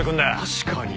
確かに。